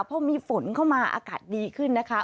พอมีฝนเข้ามาอากาศดีขึ้นนะคะ